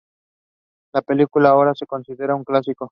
La película ahora se considera un clásico.